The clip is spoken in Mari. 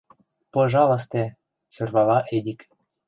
Пожалысте... — сӧрвала Эдик.